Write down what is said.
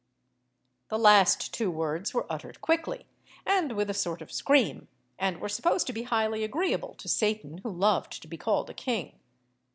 The two last words were uttered quickly, and with a sort of scream, and were supposed to be highly agreeable to Satan, who loved to be called a king.